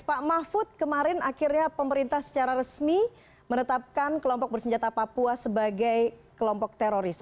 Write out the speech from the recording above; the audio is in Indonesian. pak mahfud kemarin akhirnya pemerintah secara resmi menetapkan kelompok bersenjata papua sebagai kelompok teroris